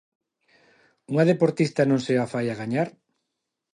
Unha deportista non se afai a gañar?